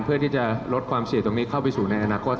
เพื่อที่จะลดความเสี่ยงตรงนี้เข้าไปสู่ในอนาคต